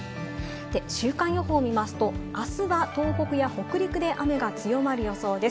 週間予報を見ますと、あすは東北や北陸で雨が強まる予想です。